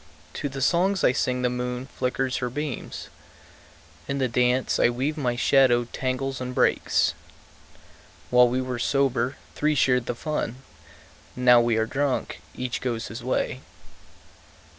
To the songs I sing the moon flickers her beams; In the dance I weave my shadow tangles and breaks. While we were sober, three shared the fun; Now we are drunk, each goes his way.